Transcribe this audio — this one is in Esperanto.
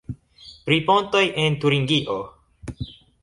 Pri pontoj en Turingio.